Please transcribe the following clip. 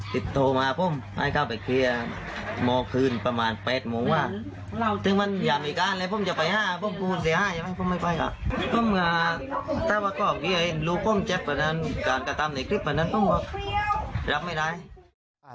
ผมถ้าว่าก็เห็นลูกผมเจ็บแบบนั้นการกระตำในคลิปแบบนั้นผมรับไม่ได้